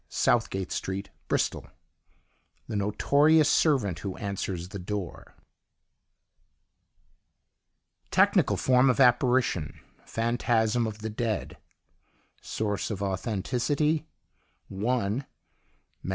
NO. SOUTHGATE STREET BRISTOL THE NOTORIOUS SERVANT WHO ANSWERS THE DOOR Technical form of apparition: Phantasm of the dead Source of authenticity: (1) MS.